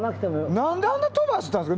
なんで、あんな飛ばしたんですか。